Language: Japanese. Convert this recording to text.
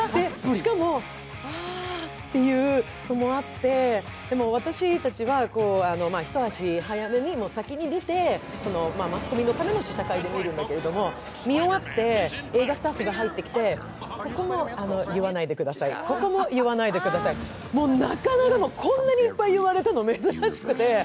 しかもあっていうのもあって、私たちは一足早めに先に見てマスコミのための試写会で見るんだけど、見終わって映画スタッフが入ってきて、ここも言わないでください、ここも言わないでください、もうなかなかの、こんなにいっぱい言われたの珍しくて。